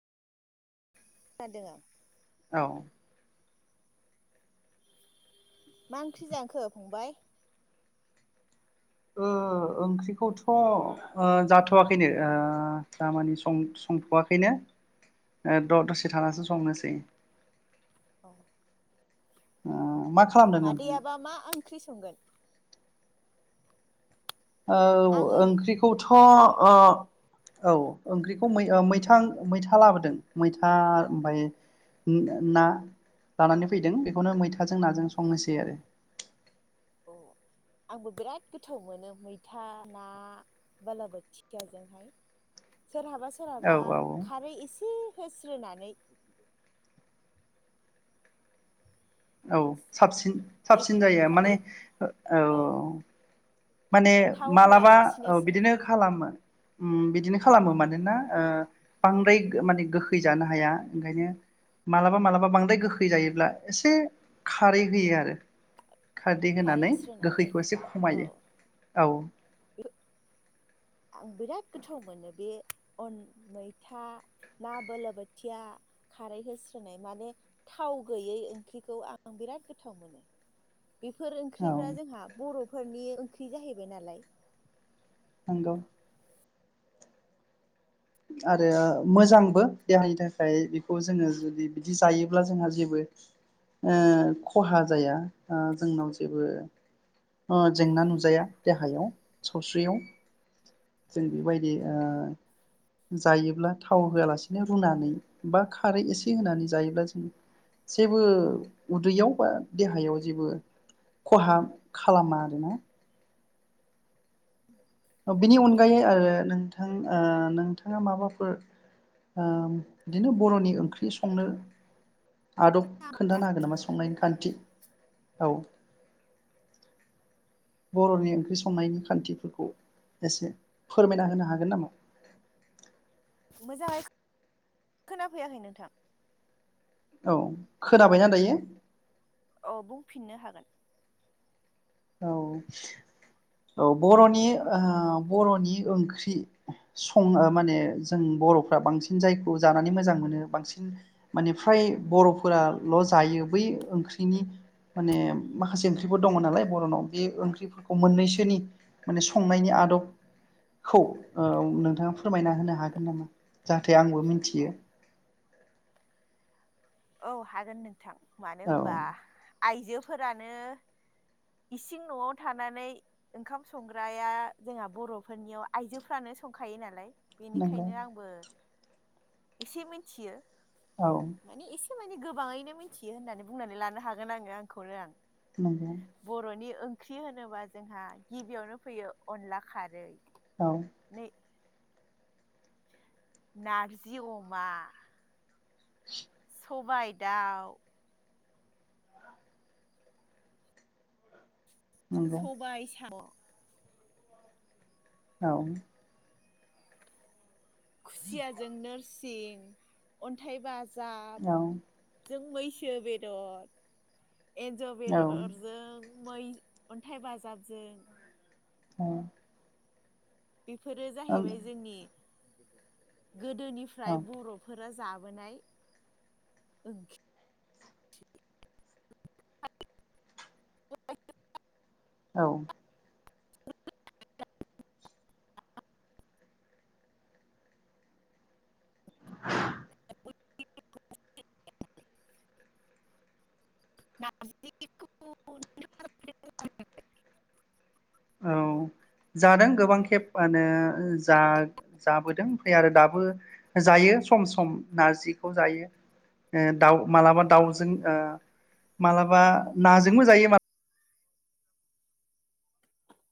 मादों आं औ मा ओंख्रि जांखो फंबाय ओ ओंख्रिखौथ' जाथ'वाखैनो आ थामानि संथ'वाखैनो दसे थानासो संनोसै ओ मा खालामदों नोंथाङा? मादैयाबा मा ओंख्रि संगोन औ आङो ओंख्रिखौ अ ओ औ ओंख्रिखौ मैथा मैथा लाबोदों मैथा ओमफ्राय ना लानानै फैदों बेखौनो मैथाजों नाजों संनोसै आरो अ आंबो बिराद गोथाव मोनो मैथा ना बालाबो थिखाजोंहाय सोरहाबा सोरहाबा औ औ खारै एसे होस्रोनानै औ साबसिन साबसिन एग्लि जायो माने एग औ माने थाव मालाबा होआलासिनोसो बिदिनो खालामो बिदिनो खालामो मानोना बांद्राय माने गोखै जानो हाया ओंखायनो मालाबा मालाबा बांद्राय गोखै जायोब्ला एसे खारै होयो आरो खारदै खारै होनानै होस्रोनानै गोखैखौ एसे औ खमायो औ। आं बिराद गोथाव मोनो बे अन मैथा ना बोलो बोथिया खारै होस्रोनाय माने थाव गैयै ओंख्रिखौ आं बिराद गोथाव मोनो। बेफोर औ ओंख्रिफ्रा जोंहा बर'फोरनि ओंख्रि जाहैबाय नालाय। नंगौ। आरो मोजांबो देहानि थाखाय बेखौ जोङो जुदि बिदि जायोब्ला जोंहा जेबो खहा जाया जोंनाव जेबो जेंना नुजाया देहायाव सावस्रियाव जों बेबायदि जायोब्ला थाव होआलासेनो रुनानै बा खारै एसे होनानै जायोब्ला जों जेबो उदैयाव बा देहायाव जेबो खहा खालामा आरोना। बिनि नंगौ अनगायै आरो नों नथ नोंथाङा माबाफोर बिदिनो बर'नि ओंख्रि संनो आदब खोन्थानो हागोन नामा संनायनि खान्थि औ। बर'नि ओंख्रि संनायनि खान्थिफोरखौ एसे फोरमायना होनो हागोन नामा? मोजाङै खोनाफैयाखै नोंथां औ खोनाबायना दायो? अ बुंफिननो हागोन? औ औ बर'नि बर'नि ओंख्रि सङ माने जों बर'फ्रा बांसिन जायखौ जानानै मोजां मोनो बांसिन माने फ्राय बर'फोराल' जायो बै ओंख्रिनि माने माखासे ओंख्रिफोर दङ नालाय नाव बे ओंख्रि खौ मोननैसोनि माने संनायनि आदब खौ नोंथाङा फोरमायना होनो हागोन नामा जाहाथे नाथाय आंबो औ मिथियो। औ हागोन नोंथां। मानो औ होनबा आइजोफोरानो इसिं न'आव थानानै ओंखाम संग्राया जोंहा बर'फोरनियाव आइजोफ्रानो संखायो नालाय नंगौ बेनिखायनो आंबो। एसे मिथियो औ। माने एसे माने गोबाङैनो मिथियो होननानै बुंनानै लानो हागोन आङो आंखौनो आं। नंगौ। बर'नि ओंख्रि होनोबा जोंहा गिबियावनो फैयो अनला खारै औ। नै नारजि अमा, [inaudible] सबाय दाउ, नंगौ सबाय साम, औ। खुसिय जों नोरसि अन्थाइ बा जाब औ जों मै सो बेदर एन्जर बेदरजों मै अन्थाइ बाजाबजों औ बेफोरो जाहैबाय जोंनि औ गोदोनिफ्राय बर'फोर जाबोनाय ओंखि औ [unintelligible] औ जादों गोबां खेब मोनो जाबोदों ओमफ्राय आरो दाबो जायो सम सम नारजिखौ जायो दाउ मालाबा दाउजों ओ मालाबा नाजोंबो जायो माबा